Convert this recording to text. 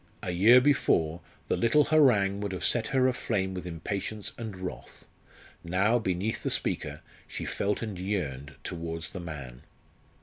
A year before, the little harangue would have set her aflame with impatience and wrath. Now, beneath the speaker, she felt and yearned towards the man.